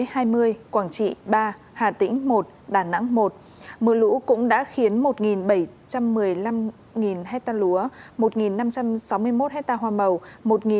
huế hai mươi quảng trị ba hà tĩnh một đà nẵng một mưa lũ cũng đã khiến một bảy trăm một mươi năm ha lúa một năm trăm sáu mươi một ha hoa màu